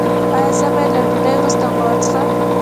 ایا زه باید له ډوډۍ وروسته اوبه وڅښم؟